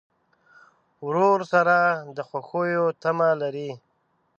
ورور سره د خوښیو تمه لرې.